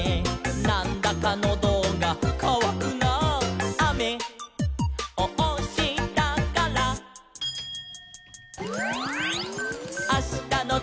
「『なんだかノドがかわくなあ』」「あめをおしたから」「あしたのてんきは」